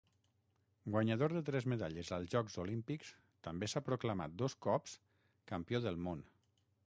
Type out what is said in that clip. Guanyador de tres medalles als Jocs Olímpics, també s'ha proclamat dos cops Campió del món.